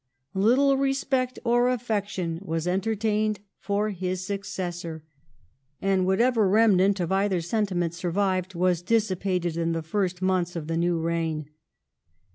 Little respect or affection was entertained for his successor ; George and whatever remnant of either sentiment survived was dissipated ^^ (^^20 in the first months of the new reign.